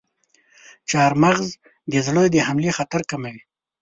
چارمغز د زړه د حملې خطر کموي.